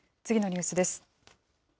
次のニュースです。